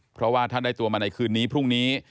เพราะว่าถ้าได้ตัวมาในคืนนี้พรุ่งนี้